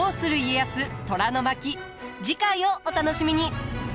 次回をお楽しみに。